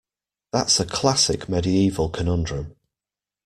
That's a classic medieval conundrum.